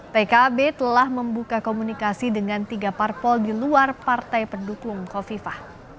pkb telah membuka komunikasi dengan tiga parpol di luar partai pendukung kofifa